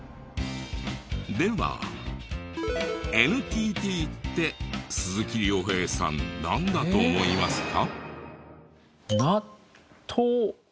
では「ＮＴＴ」って鈴木亮平さんなんだと思いますか？